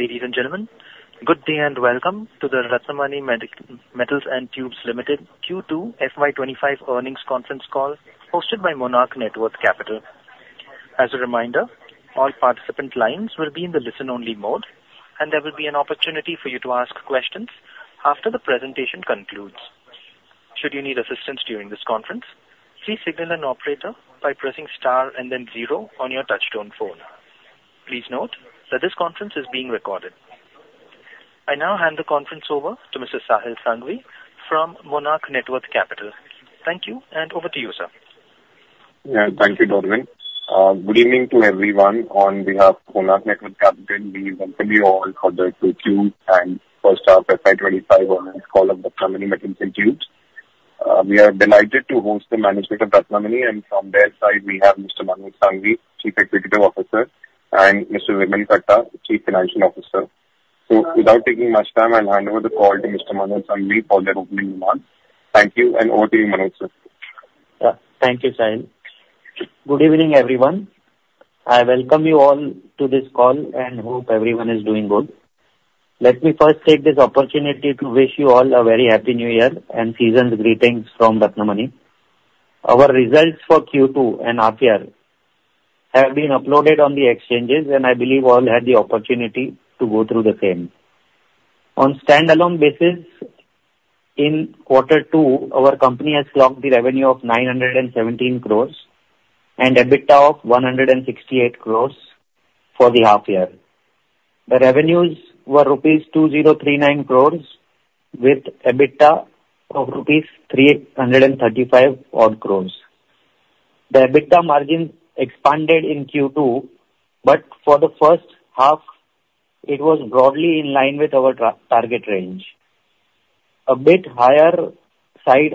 Ladies and gentlemen, good day and welcome to the Ratnamani Metals & Tubes Limited Q2 FY 2025 earnings conference call hosted by Monarch Networth Capital. As a reminder, all participant lines will be in the listen-only mode, and there will be an opportunity for you to ask questions after the presentation concludes. Should you need assistance during this conference, please signal an operator by pressing star and then zero on your touch-tone phone. Please note that this conference is being recorded. I now hand the conference over to Mr. Sahil Sanghvi from Monarch Networth Capital. Thank you, and over to you, sir. Yeah, thank you, Dorvin. Good evening to everyone. On behalf of Monarch Networth Capital, we welcome you all for the Q2 and first half FY 2025 earnings call of the Ratnamani Metals & Tubes. We are delighted to host the management of Ratnamani and from their side, we have Mr. Manoj Sanghvi, Chief Executive Officer, and Mr. Vimal Katta, Chief Financial Officer. So without taking much time, I'll hand over the call to Mr. Manoj Sanghvi for their opening remarks. Thank you, and over to you, Manoj, sir. Yeah, thank you, Sahil. Good evening, everyone. I welcome you all to this call and hope everyone is doing good. Let me first take this opportunity to wish you all a very happy New Year and season's greetings from Ratnamani. Our results for Q2 and H1 have been uploaded on the exchanges, and I believe all had the opportunity to go through the same. On standalone basis, in Q2, our company has clocked the revenue of 917 crores and EBITDA of 168 crores for the half year. The revenues were rupees 2,039 crores with EBITDA of rupees 335 crores. The EBITDA margin expanded in Q2, but for the first half, it was broadly in line with our target range, a bit higher side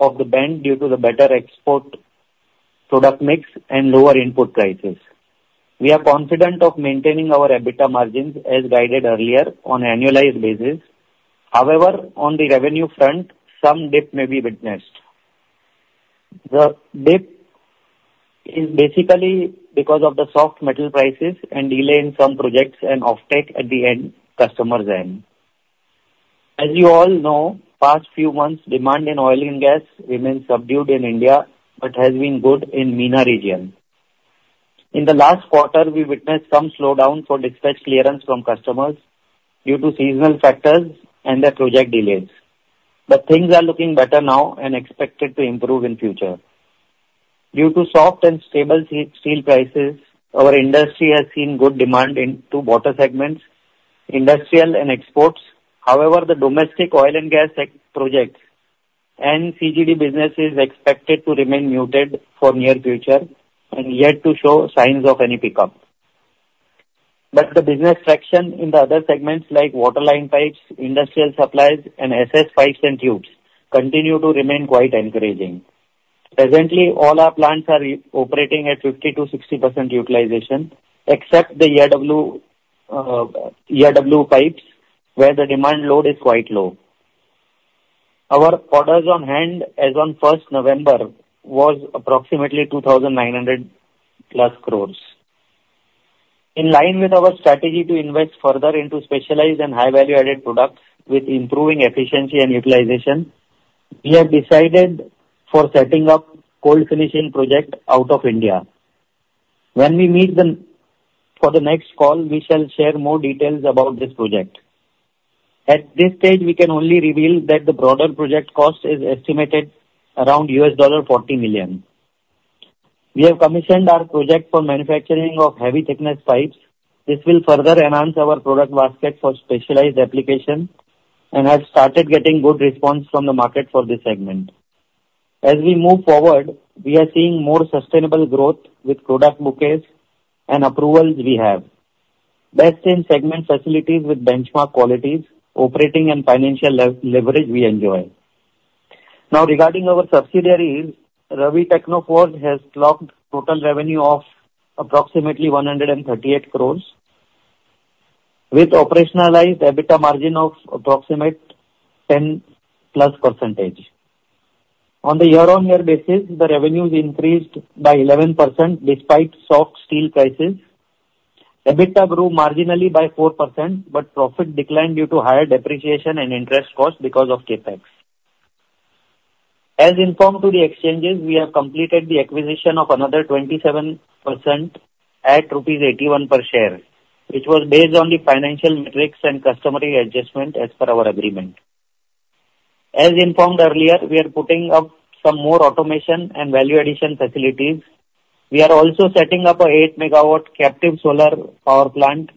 of the band due to the better export product mix and lower input prices. We are confident of maintaining our EBITDA margins as guided earlier on an annualized basis. However, on the revenue front, some dip may be witnessed. The dip is basically because of the soft metal prices and delay in some projects and offtake at the end customers' end. As you all know, past few months, demand in oil and gas remained subdued in India but has been good in the MENA region. In the last quarter, we witnessed some slowdown for dispatch clearance from customers due to seasonal factors and their project delays. But things are looking better now and expected to improve in the future. Due to soft and stable steel prices, our industry has seen good demand in two water segments, industrial and exports. However, the domestic oil and gas projects and CGD business is expected to remain muted for the near future and yet to show signs of any pickup. But the business traction in the other segments like waterline pipes, industrial supplies, and SS pipes and tubes continue to remain quite encouraging. Presently, all our plants are operating at 50%-60% utilization except the ERW pipes where the demand load is quite low. Our orders on hand as of 1st November was approximately 2,900+ crores. In line with our strategy to invest further into specialized and high-value-added products with improving efficiency and utilization, we have decided for setting up a cold finishing project out of India. When we meet for the next call, we shall share more details about this project. At this stage, we can only reveal that the broader project cost is estimated around $40 million. We have commissioned our project for manufacturing of heavy-thickness pipes. This will further enhance our product basket for specialized application and has started getting good response from the market for this segment. As we move forward, we are seeing more sustainable growth with product bouquets and approvals we have. Best in segment facilities with benchmark qualities operating and financial leverage we enjoy. Now, regarding our subsidiaries, Ravi Technoforge has clocked total revenue of approximately 138 crores with operationalized EBITDA margin of approximately 10+%. On the year-on-year basis, the revenues increased by 11% despite soft steel prices. EBITDA grew marginally by 4%, but profit declined due to higher depreciation and interest cost because of CapEx. As informed to the exchanges, we have completed the acquisition of another 27% at INR 81 per share, which was based on the financial metrics and customary adjustment as per our agreement. As informed earlier, we are putting up some more automation and value addition facilities. We are also setting up an eight-megawatt captive solar power plant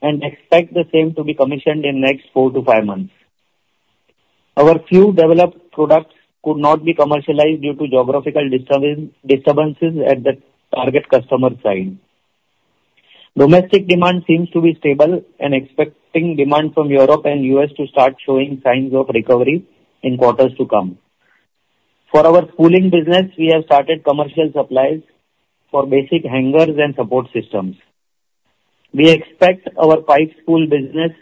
and expect the same to be commissioned in the next four to five months. Our few developed products could not be commercialized due to geographical disturbances at the target customer side. Domestic demand seems to be stable and expecting demand from Europe and the U.S. to start showing signs of recovery in quarters to come. For our spooling business, we have started commercial supplies for basic hangers and support systems. We expect our pipe spool business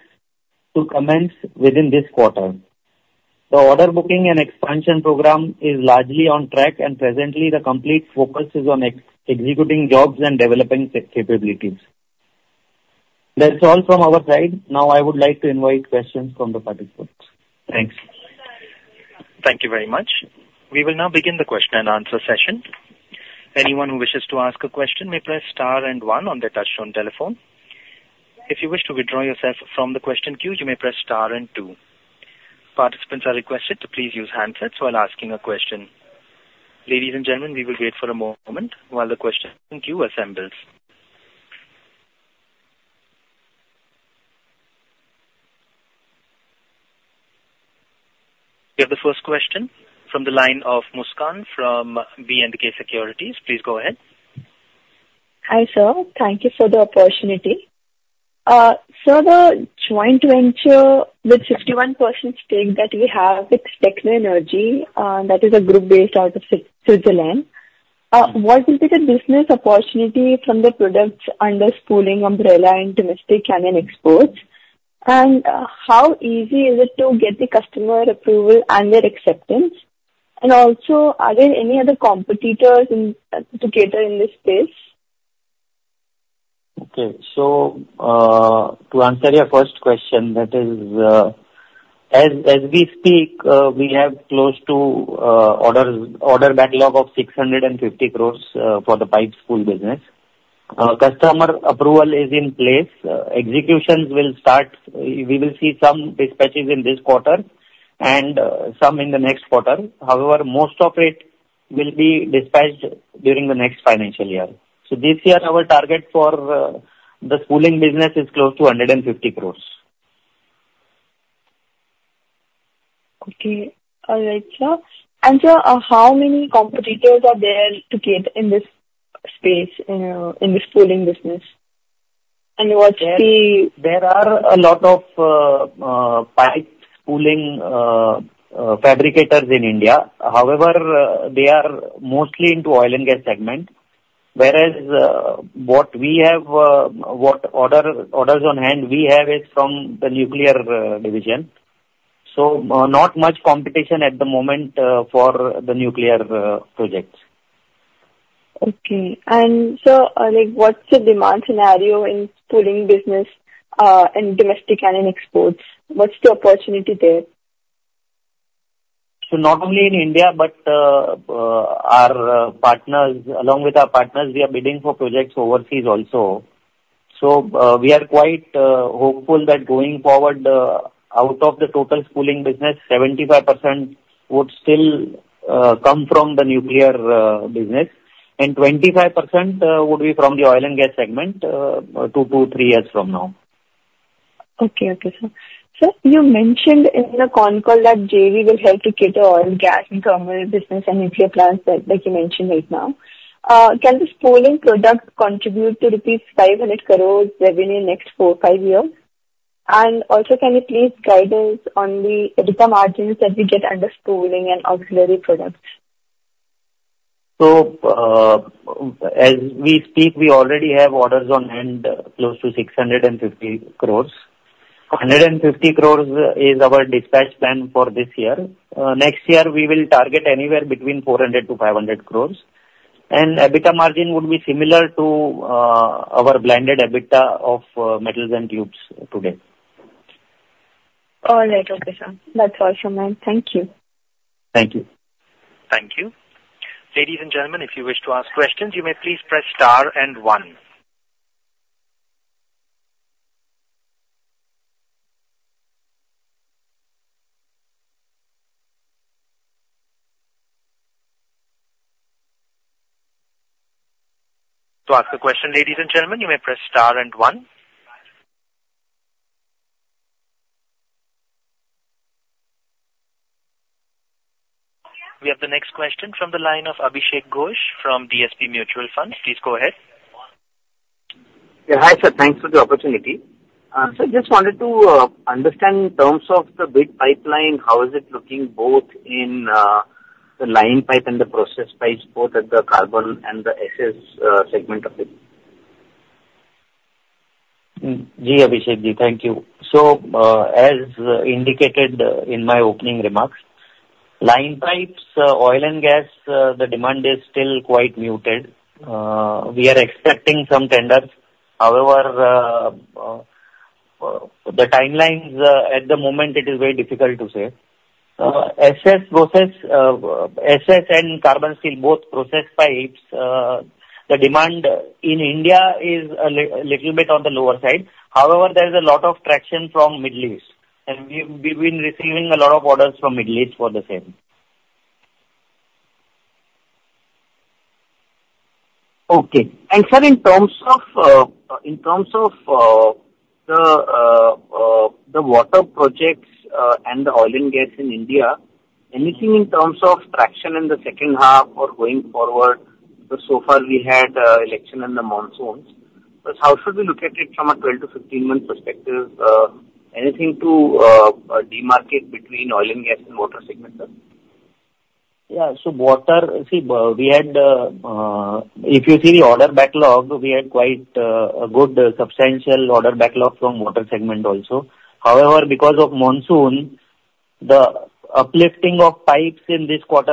to commence within this quarter. The order booking and expansion program is largely on track, and presently, the complete focus is on executing jobs and developing capabilities. That's all from our side. Now, I would like to invite questions from the participants. Thanks. Thank you very much. We will now begin the question-and-answer session. Anyone who wishes to ask a question may press star and one on their touch-tone telephone. If you wish to withdraw yourself from the question queue, you may press star and two. Participants are requested to please use handsets while asking a question. Ladies and gentlemen, we will wait for a moment while the question queue assembles. We have the first question from the line of Muskan from BNK Securities. Please go ahead. Hi, sir. Thank you for the opportunity. Sir, the joint venture with 51% stake that we have with Technoenergy, that is a group based out of Switzerland, what will be the business opportunity from the products under spooling umbrella and domestic and exports? And how easy is it to get the customer approval and their acceptance? And also, are there any other competitors to cater in this space? Okay, so to answer your first question, that is, as we speak, we have close to order backlog of 650 crores for the pipe spool business. Customer approval is in place. Executions will start. We will see some dispatches in this quarter and some in the next quarter. However, most of it will be dispatched during the next financial year, so this year, our target for the spooling business is close to 150 crores. Okay. All right, sir. And sir, how many competitors are there to get in this space, in the spooling business? And what's the? There are a lot of pipe spooling fabricators in India. However, they are mostly into oil and gas segment, whereas what we have, what orders on hand we have is from the nuclear division. So not much competition at the moment for the nuclear projects. Okay. And, sir, what's the demand scenario in spooling business and domestic and exports? What's the opportunity there? Not only in India, but our partners, along with our partners, we are bidding for projects overseas also. We are quite hopeful that going forward, out of the total spooling business, 75% would still come from the nuclear business and 25% would be from the oil and gas segment two to three years from now. Okay. Okay, sir. Sir, you mentioned in the con call that JV will help to cater oil and gas and thermal business and nuclear plants that you mentioned right now. Can the spooling product contribute to rupees 500 crores revenue in the next four or five years? And also, can you please guide us on the EBITDA margins that we get under spooling and auxiliary products? As we speak, we already have orders on hand close to 650 crores. 150 crores is our dispatch plan for this year. Next year, we will target anywhere between 400 crores-500 crores. EBITDA margin would be similar to our blended EBITDA of metals and tubes today. All right. Okay, sir. That's all from me. Thank you. Thank you. Thank you. Ladies and gentlemen, if you wish to ask questions, you may please press star and one. To ask a question, ladies and gentlemen, you may press star and one. We have the next question from the line of Abhishek Ghosh from DSP Mutual Fund. Please go ahead. Yeah, hi, sir. Thanks for the opportunity. Sir, I just wanted to understand in terms of the big pipeline, how is it looking both in the line pipe and the process pipes, both at the carbon and the SS segment of it? Ji, Abhishek ji, thank you. So as indicated in my opening remarks, line pipes, oil and gas, the demand is still quite muted. We are expecting some tenders. However, the timelines at the moment, it is very difficult to say. SS and carbon steel, both process pipes, the demand in India is a little bit on the lower side. However, there is a lot of traction from the Middle East, and we've been receiving a lot of orders from the Middle East for the same. Okay. And sir, in terms of the water projects and the oil and gas in India, anything in terms of traction in the second half or going forward? So far, we had election and the monsoons. How should we look at it from a 12 month-15-month perspective? Anything to demarcate between oil and gas and water segment, sir? Yeah. So, water, see, we had, if you see the order backlog, we had quite a good substantial order backlog from water segment also. However, because of monsoon, the uplifting of pipes in this quarter,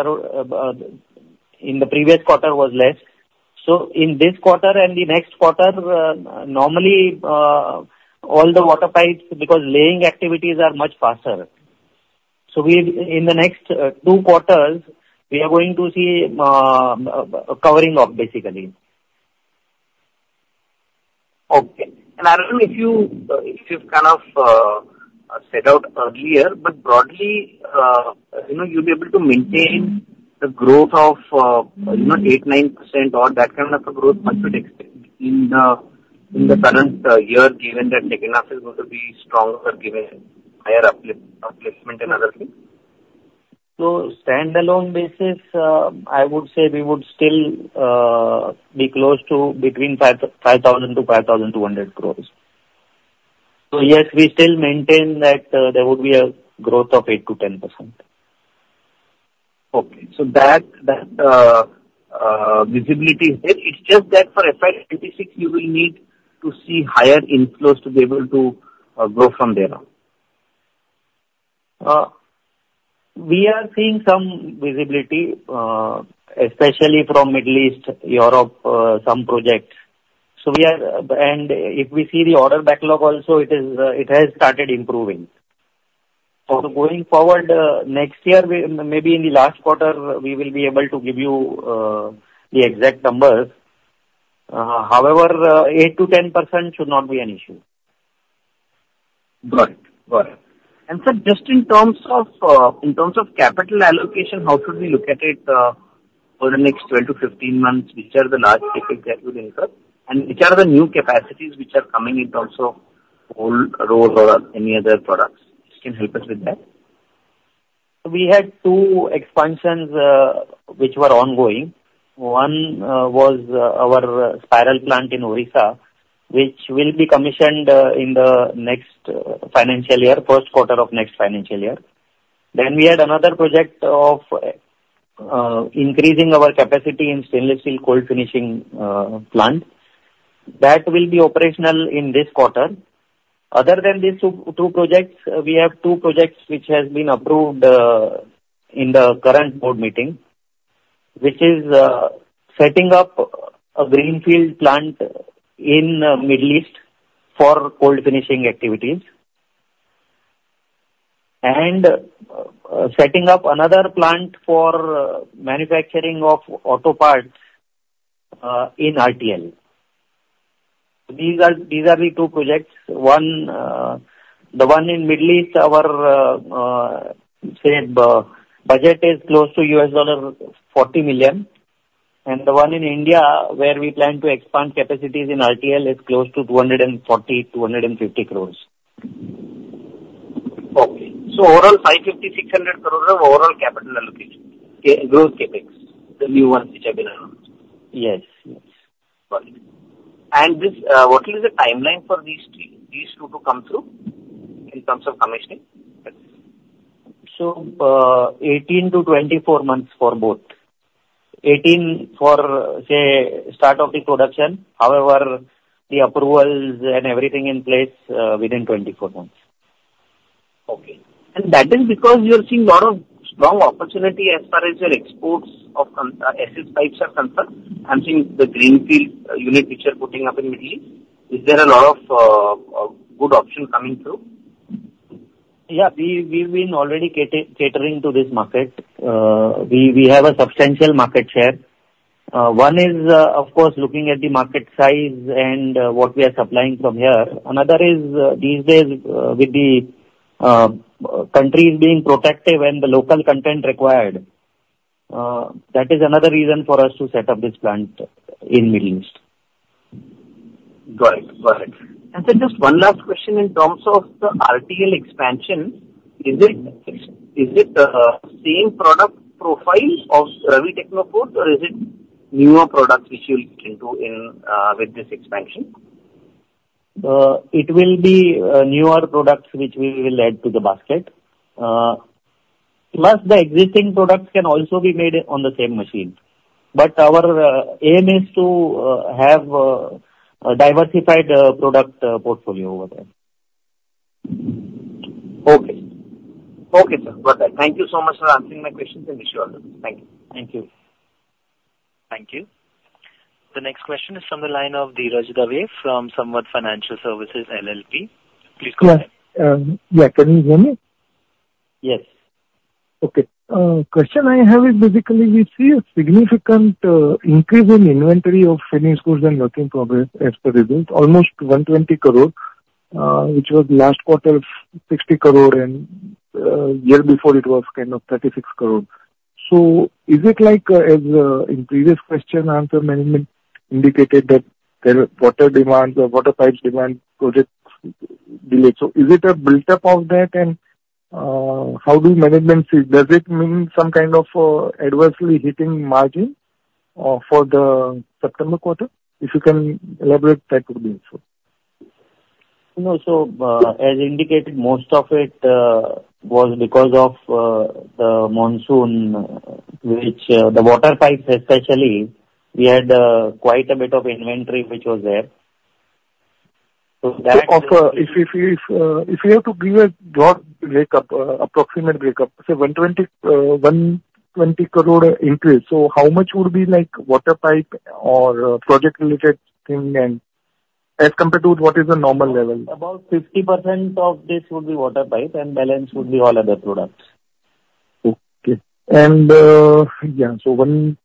in the previous quarter, was less. So in this quarter and the next quarter, normally, all the water pipes, because laying activities are much faster. So in the next two quarters, we are going to see covering up, basically. Okay, and I don't know if you've kind of set out earlier, but broadly, you'll be able to maintain the growth of 8%-9%, or that kind of a growth, what you'd expect in the current year, given that Techno is going to be stronger, given higher upliftment and other things? Standalone basis, I would say we would still be close to between 5,000-5,200 crores. Yes, we still maintain that there would be a growth of 8%-10%. Okay. So that visibility is there. It's just that for FY 2026, you will need to see higher inflows to be able to go from there. We are seeing some visibility, especially from Middle East, Europe, some projects. And if we see the order backlog also, it has started improving. So going forward, next year, maybe in the last quarter, we will be able to give you the exact numbers. However, 8%-10% should not be an issue. Got it. Got it. And sir, just in terms of capital allocation, how should we look at it for the next 12months-15 months? Which are the large CapEx that you will incur? And which are the new capacities which are coming in terms of O&G or any other products? Just can help us with that. We had two expansions which were ongoing. One was our spiral plant in Odisha, which will be commissioned in the next financial year, first quarter of next financial year. Then we had another project of increasing our capacity in stainless steel cold finishing plant. That will be operational in this quarter. Other than these two projects, we have two projects which have been approved in the current board meeting, which is setting up a greenfield plant in the Middle East for cold finishing activities and setting up another plant for manufacturing of auto parts in RTL. These are the two projects. The one in the Middle East, our budget is close to $40 million. And the one in India, where we plan to expand capacities in RTL, is close to 240 crores- 250 crores. Okay, so overall, 550 crores-600 crores of overall capital allocation? Okay. Growth CapEx, the new ones which have been announced? Yes. Got it. And what will be the timeline for these two to come through in terms of commissioning? So 18 months-24 months for both. 18 for, say, start of the production. However, the approvals and everything in place within 24 months. Okay. And that is because you're seeing a lot of strong opportunity as far as your exports of SS pipes are concerned. I'm seeing the greenfield unit which you're putting up in the Middle East. Is there a lot of good option coming through? Yeah. We've been already catering to this market. We have a substantial market share. One is, of course, looking at the market size and what we are supplying from here. Another is these days, with the country being protective and the local content required, that is another reason for us to set up this plant in the Middle East. Got it. Got it. And, sir, just one last question in terms of the RTL expansion. Is it the same product profile of Ravi Technoforge, or is it newer products which you will get into with this expansion? It will be newer products which we will add to the basket. Plus, the existing products can also be made on the same machine. But our aim is to have a diversified product portfolio over there. Okay. Okay, sir. Got that. Thank you so much for answering my questions. I wish you all the best. Thank you. Thank you. Thank you. The next question is from the line of Dhiraj Dave from Samvat Financial Services LLP. Please go ahead. Yes. Yeah. Can you hear me? Yes. Okay. The question I have is basically we see a significant increase in inventory of finished goods and work in progress as per results, almost 120 crore, which was last quarter 60 crore, and the year before it was kind of 36 crore. So is it like in previous questions, answer management indicated that water demands or water pipes demand projects delayed? So is it a build-up of that? And how do management see? Does it mean some kind of adversely hitting margin for the September quarter? If you can elaborate, that would be useful. No. So as indicated, most of it was because of the monsoon, which the water pipes especially, we had quite a bit of inventory which was there. So that. If you have to give a broad breakup, approximate breakup, say 120 crore increase, so how much would be water pipe or project-related thing and as compared to what is the normal level? About 50% of this would be water pipe and balance would be all other products. Okay. And yeah, so 50%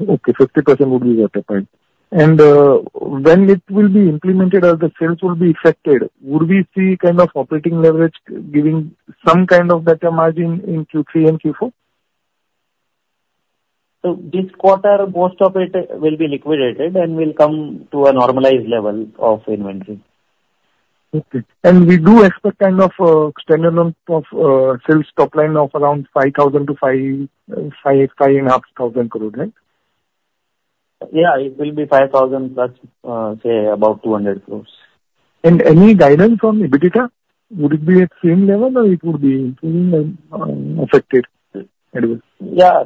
would be water pipe. And when it will be implemented as the sales will be affected, would we see kind of operating leverage giving some kind of better margin in Q3 and Q4? So this quarter, most of it will be liquidated and will come to a normalized level of inventory. Okay. And we do expect kind of extended sales top line of around 5,000 crore-5,500 crore, right? Yeah. It will be 5,000+ crore, say, about 200 crores. Any guidance from EBITDA? Would it be at the same level or it would be affected? Yeah.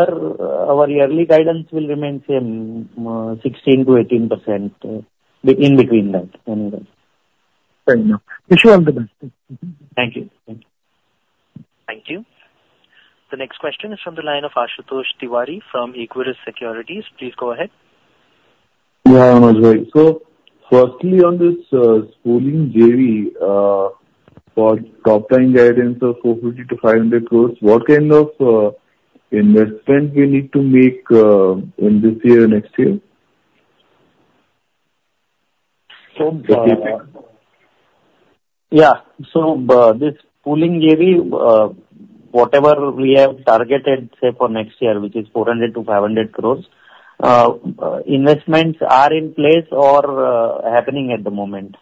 Our yearly guidance will remain same, 16%-18% in between that. Fair enough. Wish you all the best. Thank you. Thank you. Thank you. The next question is from the line of Ashutosh Tiwari from Equirus Securities. Please go ahead. Yeah, I'm Ajay. So firstly, on this spooling JV, for top line guidance of 450 crores-INR500 crores, what kind of investment we need to make in this year and next year? Yeah. So this spooling JV, whatever we have targeted, say, for next year, which is 400 crores-INR500 crores, investments are in place or happening at the moment.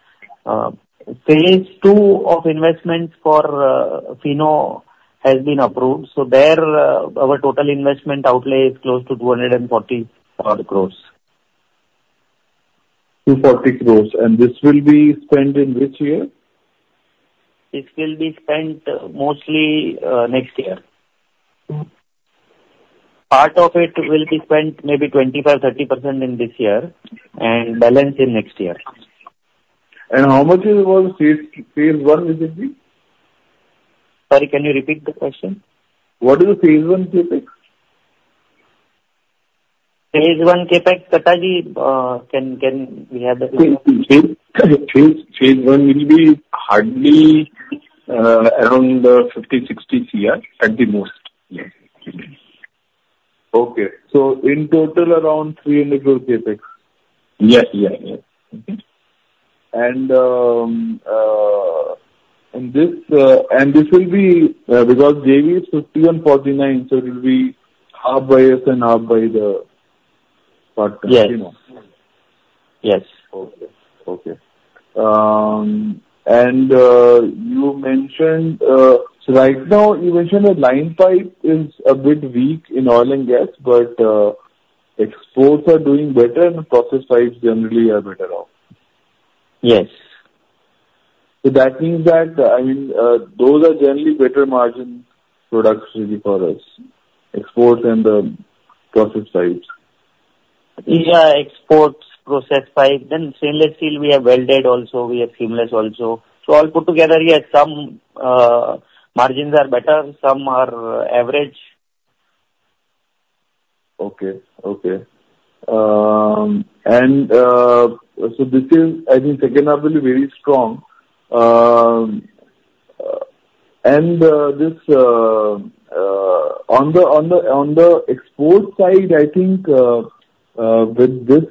Phase II of investments for Fino has been approved. So there, our total investment outlay is close to 240 crores. 240 crores. And this will be spent in which year? This will be spent mostly next year. Part of it will be spent maybe 25%, 30% in this year and balance in next year. How much is Phase I within this? Sorry, can you repeat the question? What is the Phase I CapEx? Phase I CapEx, Katta ji, can we have the Phase I? Phase I will be hardly around 50-60 CR at the most. Okay. So in total, around 300 crore CapEx? Yes. Yeah. Yeah. Okay. And this will be because JV is 50 and 49, so it will be half by us and half by the partner Techno? Yes. Yes. Okay. Okay, and you mentioned right now the line pipe is a bit weak in oil and gas, but exports are doing better and the process pipes generally are better off. Yes. So that means that, I mean, those are generally better margin products for us, exports and the process pipes. Yeah. Exports, process pipe. Then stainless steel, we have welded also. We have seamless also. So all put together, yes, some margins are better, some are average. Okay. And so this is, I think, second half will be very strong. And on the export side, I think with this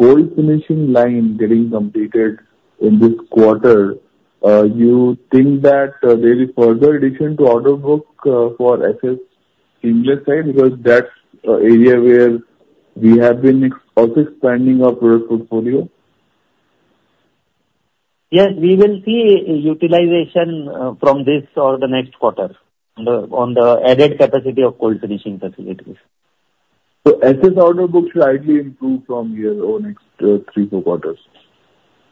cold finishing line getting completed in this quarter, you think that there is further addition to out of book for SS seamless side because that's an area where we have been also expanding our portfolio? Yes. We will see utilization from this or the next quarter on the added capacity of cold finishing facilities. So, SS out of book slightly improved from year or next three, four quarters?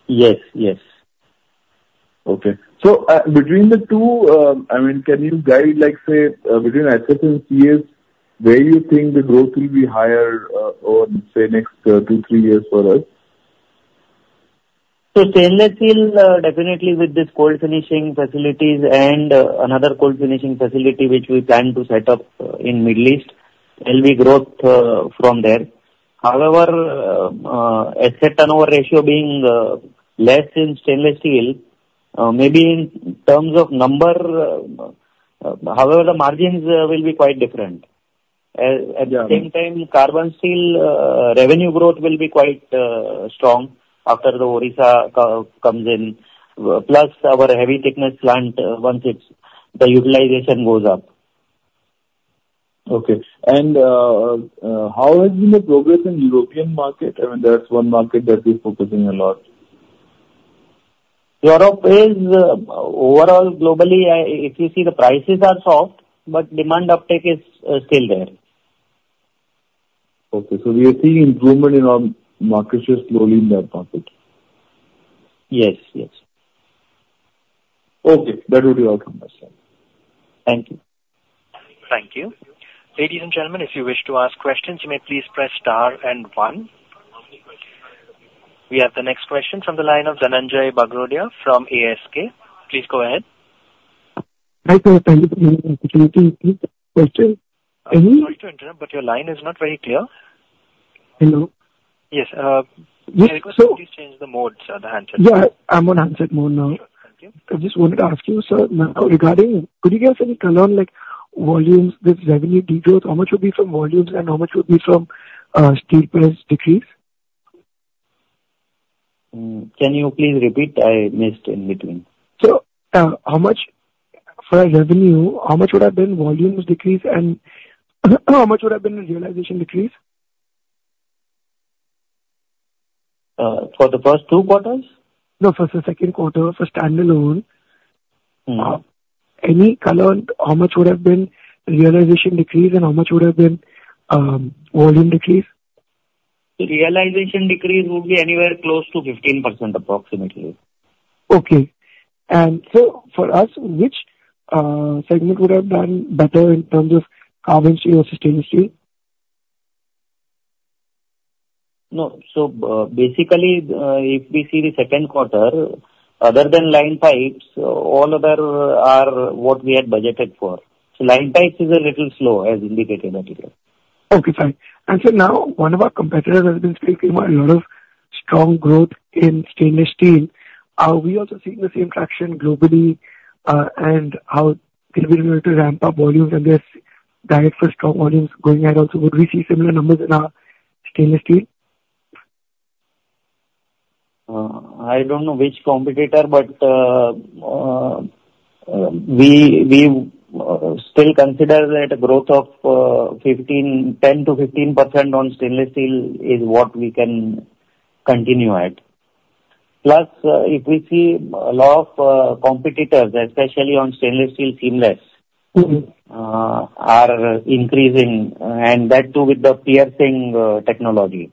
Yes. Yes. Okay. So between the two, I mean, can you guide, say, between SS and CS, where you think the growth will be higher over, say, next two, three years for us? Stainless steel, definitely with this cold finishing facilities and another cold finishing facility which we plan to set up in the Middle East, there will be growth from there. However, asset turnover ratio being less in stainless steel, maybe in terms of number, however, the margins will be quite different. At the same time, carbon steel revenue growth will be quite strong after the Odisha comes in, plus our heavy thickness plant once the utilization goes up. Okay. And how has been the progress in the European market? I mean, that's one market that we're focusing a lot. Europe is overall globally, if you see, the prices are soft, but demand uptake is still there. Okay, so we are seeing improvement in our market share slowly in that market. Yes. Yes. Okay. That would be all from my side. Thank you. Thank you. Ladies and gentlemen, if you wish to ask questions, you may please press star and one. We have the next question from the line of Dhananjay Bagrodia from ASK. Please go ahead. Hi, sir, thank you for the opportunity to take questions. Any? Sorry to interrupt, but your line is not very clear. Hello? Yes. Yes. Please change the mode, sir, the handset mode. Yeah. I'm on handset mode now. Thank you. I just wanted to ask you, sir, regarding could you give us any color on volumes with revenue degrowth? How much would be from volumes and how much would be from steel price decrease? Can you please repeat? I missed in between. For revenue, how much would have been volumes decrease and how much would have been realization decrease? For the first two quarters? No, for the second quarter, for standalone. Any color on how much would have been realization decrease and how much would have been volume decrease? Realization decrease would be anywhere close to 15% approximately. Okay. And so for us, which segment would have done better in terms of carbon steel or sustainable steel? No. So basically, if we see the second quarter, other than line pipes, all of them are what we had budgeted for. So, line pipes is a little slow, as indicated earlier. Okay. Fine, and so now, one of our competitors has been speaking about a lot of strong growth in stainless steel. Are we also seeing the same traction globally? And how can we be able to ramp up volumes and get ready for strong volumes going ahead also? Would we see similar numbers in our stainless steel? I don't know which competitor, but we still consider that a growth of 10%-15% on stainless steel is what we can continue at. Plus, if we see a lot of competitors, especially on stainless steel seamless, are increasing, and that too with the piercing technology.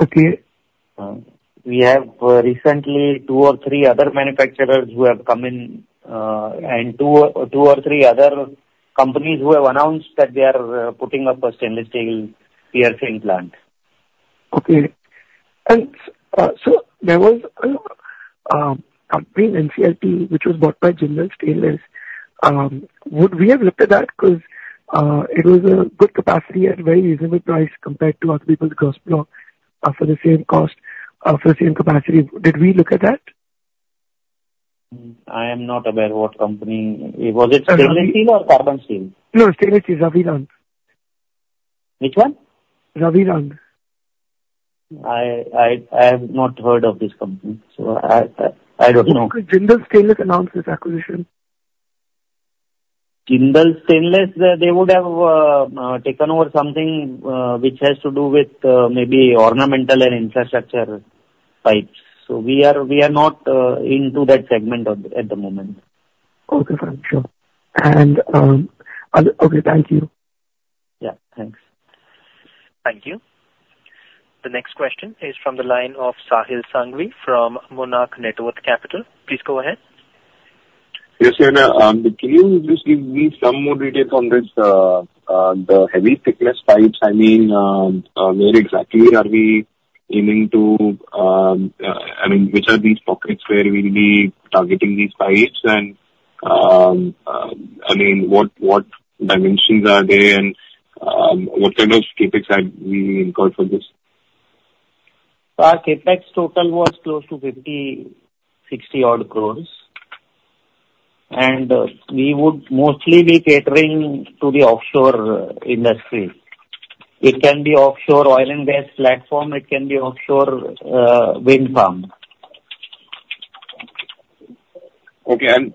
Okay. We have recently two or three other manufacturers who have come in and two or three other companies who have announced that they are putting up a stainless steel piercing plant. Okay, and so there was a company in NCLT which was bought by Jindal Stainless. Would we have looked at that because it was a good capacity at a very reasonable price compared to other people's gross block for the same cost for the same capacity? Did we look at that? I am not aware of what company. Was it stainless steel or carbon steel? No, stainless steel. Ratnamani. Which one? Rabirun. I have not heard of this company. So I don't know. Did Jindal Stainless announce this acquisition? Jindal Stainless, they would have taken over something which has to do with maybe ornamental and infrastructure pipes. So we are not into that segment at the moment. Okay. Fine. Sure. And okay. Thank you. Yeah. Thanks. Thank you. The next question is from the line of Sahil Sanghvi from Monarch Networth Capital. Please go ahead. Yes, sir. Can you just give me some more details on the heavy thickness pipes? I mean, where exactly are we aiming to? I mean, which are these pockets where we'll be targeting these pipes? And I mean, what dimensions are they? And what kind of CapEx had we incurred for this? Our CapEx total was close to 50 crores-INR60 odd crores. And we would mostly be catering to the offshore industry. It can be offshore oil and gas platform. It can be offshore wind farm. The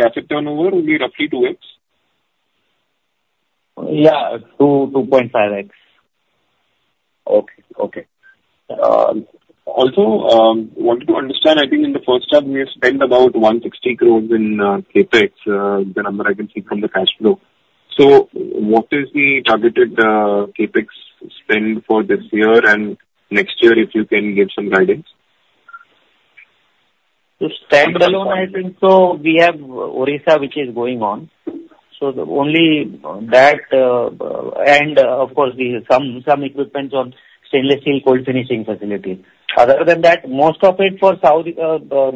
asset turnover will be roughly 2x? Yeah. 2.5x. Okay. Also, I wanted to understand. I think in the first half, we have spent about 160 crores in CapEx, the number I can see from the cash flow. So what is the targeted CapEx spend for this year and next year, if you can give some guidance? Standalone, I think so. We have Odisha which is going on. So only that. And of course, some equipment on stainless steel cold finishing facility. Other than that, most of it for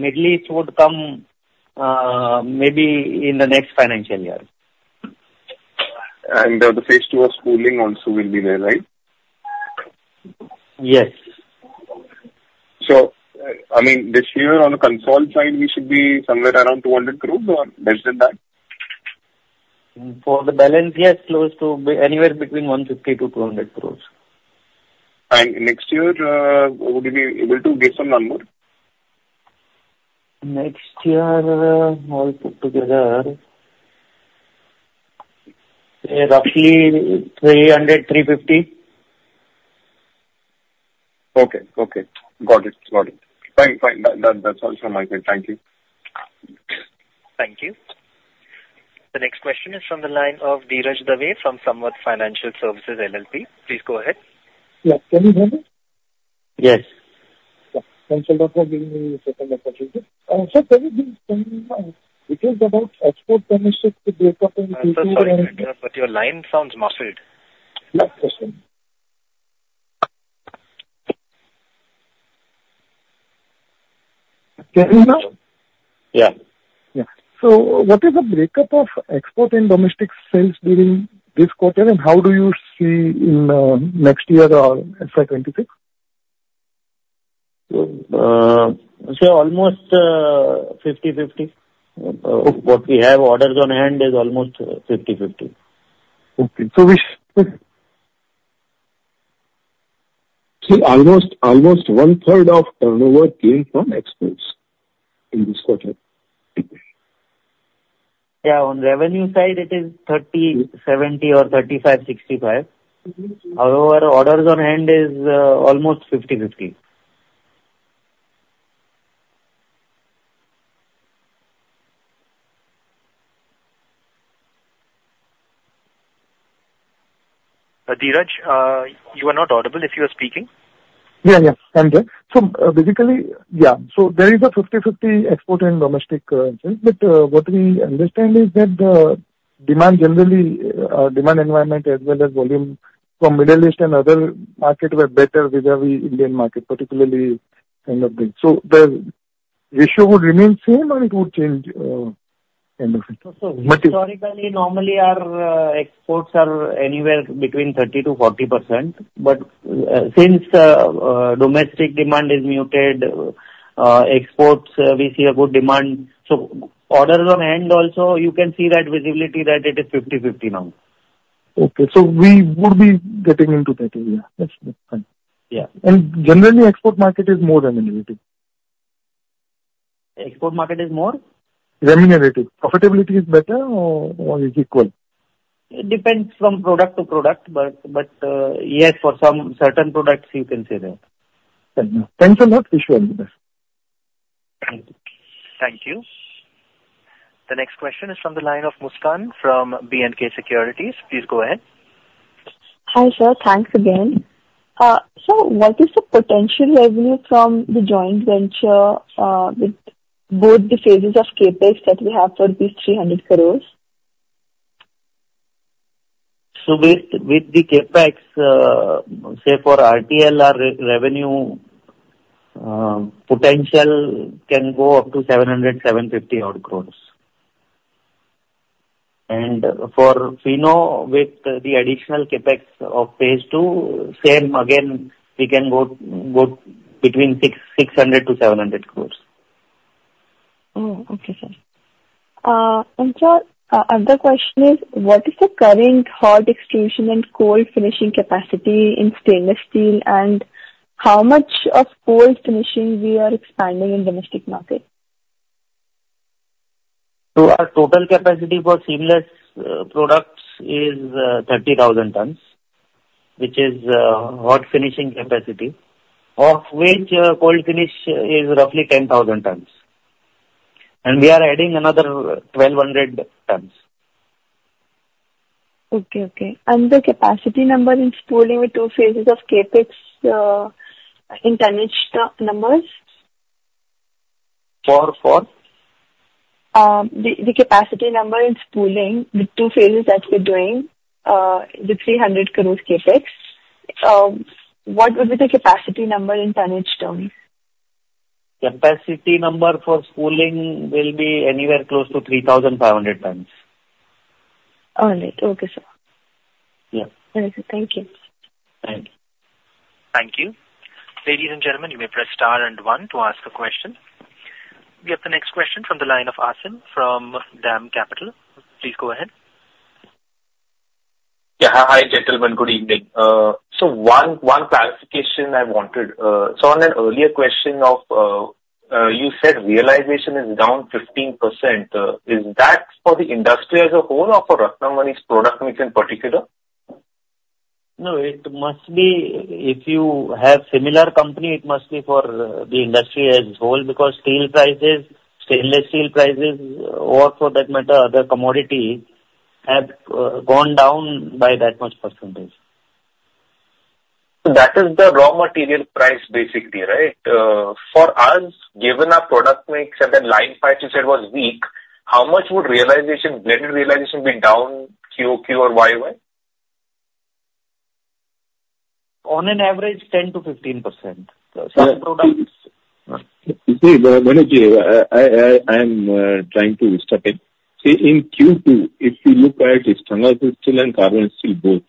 Middle East would come maybe in the next financial year. The Phase II of spooling also will be there, right? Yes. I mean, this year on the consult side, we should be somewhere around 200 crores or less than that? For the balance, yes, close to anywhere between 150 crores-200 crores. Next year, would you be able to give some number? Next year, all put together, roughly 300 crores-350 crores. Okay. Got it. Fine. That's all from my side. Thank you. Thank you. The next question is from the line of Dhiraj Dave from Samvat Financial Services LLP. Please go ahead. Yeah. Can you hear me? Yes. Yeah. Thanks a lot for giving me this second opportunity. Sir, can you please tell me now? It is about export premises to break up and. Sorry, Dheeraj, but your line sounds muffled. Last question. Can you now? Yeah. Yeah. So what is the break-up of export and domestic sales during this quarter, and how do you see in next year or FY 2026? So almost 50/50. What we have orders on hand is almost 50/50. Okay, so almost one-third of turnover came from exports in this quarter. Yeah. On revenue side, it is 30%-70% or 35%-65%. However, orders on hand is almost 50%-50%. Dheeraj, you are not audible if you are speaking. I'm there. So basically, yeah. So there is a 50/50 export and domestic sales, but what we understand is that demand generally, demand environment as well as volume from Middle East and other markets were better with the Indian market, particularly end of day. So the ratio would remain same or it would change end of it? So historically, normally our exports are anywhere between 30%-40%. But since domestic demand is muted, exports, we see a good demand. So orders on hand also, you can see that visibility that it is 50/50 now. Okay, so we would be getting into that area. That's fine, and generally, export market is more remunerative. Export market is more? Remunerative. Profitability is better or is equal? It depends from product to product, but yes, for some certain products, you can say that. Thanks a lot. Wish you well. Thank you. The next question is from the line of Muskan from BNK Securities. Please go ahead. Hi sir, thanks again. So what is the potential revenue from the joint venture with both the phases of CapEx that we have for these 300 crores? So with the CapEx, say for RTL, our revenue potential can go up to 700 crores-750 odd crores. And for Fino, with the additional CapEx of Phase II, same again, we can go between 600 crores-700 crores. Oh, okay sir. And sir, another question is, what is the current hot extrusion and cold finishing capacity in stainless steel, and how much of cold finishing we are expanding in domestic market? Our total capacity for seamless products is 30,000 tons, which is hot finishing capacity, of which cold finishing is roughly 10,000 tons. We are adding another 1,200 tons. Okay. And the capacity number in spooling with two phases of CapEx in tonnage numbers? For? The capacity number in spooling with two phases that we're doing, the 300 crores CapEx, what would be the capacity number in tonnage terms? Capacity number for spooling will be anywhere close to 3,500 tons. All right. Okay sir. Yeah. All right. Thank you. Thank you. Thank you. Ladies and gentlemen, you may press star and one to ask a question. We have the next question from the line of Aasim from DAM Capital. Please go ahead. Yeah. Hi, gentlemen. Good evening. So, one clarification I wanted. So, on an earlier question, you said realization is down 15%. Is that for the industry as a whole or for Ratnamani's product mix in particular? No, it must be if you have similar company, it must be for the industry as a whole because steel prices, stainless steel prices, or for that matter, other commodities have gone down by that much percentage. That is the raw material price basically, right? For us, given our product mix, and then line pipes you said was weak, how much would realization, blended realization, be down Q2 or YY? On an average, 10%-15%. Some products. See, Manoj, I am trying to step in. See, in Q2, if you look at stainless steel and carbon steel both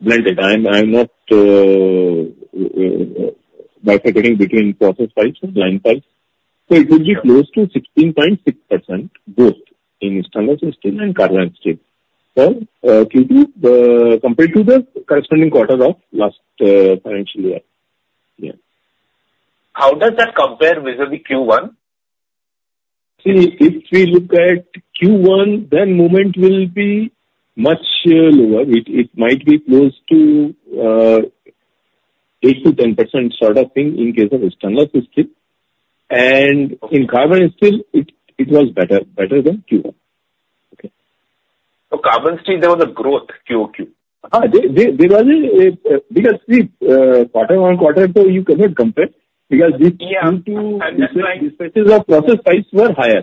blended, I'm not bothering between process pipes and line pipes. So it would be close to 16.6% both in stainless steel and carbon steel for Q2 compared to the corresponding quarter of last financial year. Yeah. How does that compare vis-à-vis Q1? See, if we look at Q1, then movement will be much lower. It might be close to 8%-10% sort of thing in case of stainless steel. And in carbon steel, it was better than Q1. Okay. So carbon steel, there was a growth Q2. There was a, because see, quarter on quarter, so you cannot compare because Q2, these prices of process pipes were higher.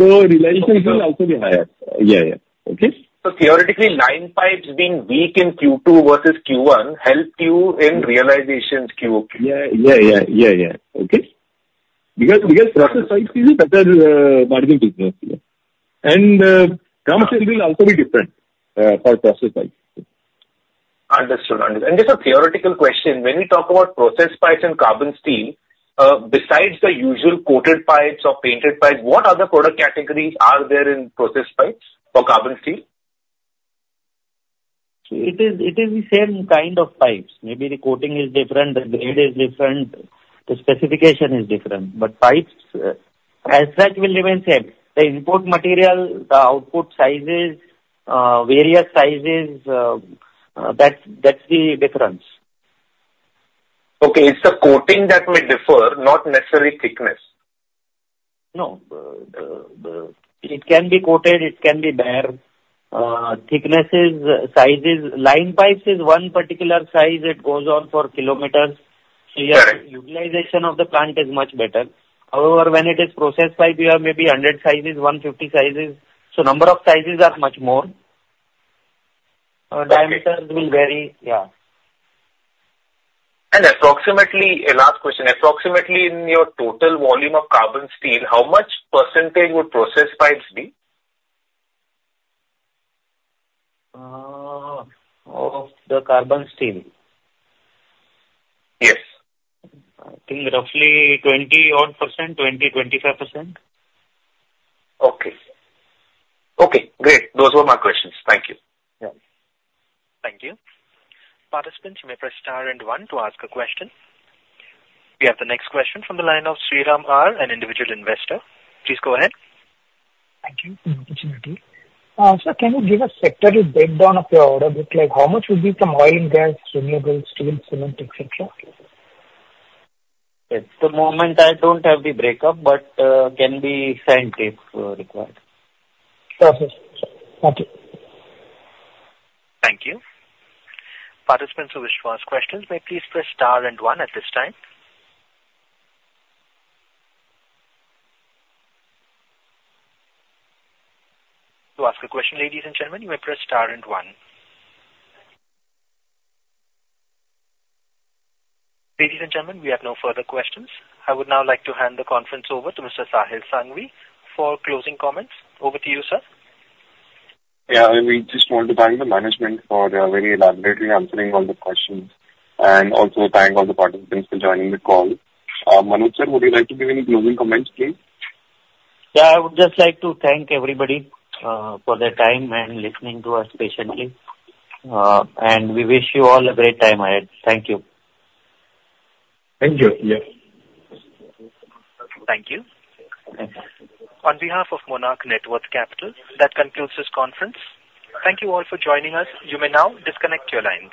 So realization will also be higher. Yeah. Yeah. Okay. So theoretically, line pipes being weak in Q2 versus Q1 helped you in realization Q2. Yeah. Okay. Because Process Pipes is a better margin business. And carbon steel will also be different for Process Pipes. Understood. Understood. And just a theoretical question. When we talk about process pipes and carbon steel, besides the usual coated pipes or painted pipes, what other product categories are there in process pipes for carbon steel? See, it is the same kind of pipes. Maybe the coating is different, the grade is different, the specification is different. But pipes as such will remain same. The input material, the output sizes, various sizes, that's the difference. Okay. It's the coating that may differ, not necessarily thickness. No. It can be coated, it can be bare. Thicknesses, sizes, line pipes is one particular size. It goes on for kilometers. So your utilization of the plant is much better. However, when it is process pipe, you have maybe 100 sizes, 150 sizes. So number of sizes are much more. Diameters will vary. Yeah. Approximately, last question. Approximately in your total volume of carbon steel, how much percentage would process pipes be? Of the carbon steel? Yes. I think roughly 20-odd%, 20%-25%. Okay. Okay. Great. Those were my questions. Thank you. Yeah. Thank you. Participants, you may press star and one to ask a question. We have the next question from the line of Sriram R., an individual investor. Please go ahead. Thank you for the opportunity. Sir, can you give a sectoral breakdown of your order book? How much would be from oil and gas, renewables, steel, cement, etc.? At the moment, I don't have the breakup, but can be sent if required. Perfect. Thank you. Thank you. Participants, who wish to ask questions, may please press star and one at this time. To ask a question, ladies and gentlemen, you may press star and one. Ladies and gentlemen, we have no further questions. I would now like to hand the conference over to Mr. Sahil Sanghvi for closing comments. Over to you, sir. Yeah. We just want to thank the management for very elaborately answering all the questions and also thank all the participants for joining the call. Manoj sir, would you like to give any closing comments, please? Yeah. I would just like to thank everybody for their time and listening to us patiently. And we wish you all a great time. Thank you. Thank you. Yes. Thank you. On behalf of Monarch Networth Capital, that concludes this conference. Thank you all for joining us. You may now disconnect your lines.